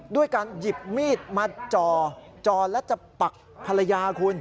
ด้วยการหยิบมีดมาจ่อจ่อและจะปักภรรยาคุณ